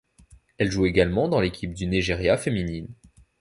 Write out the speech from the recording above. Elle joue également dans l'équipe du Nigeria féminine.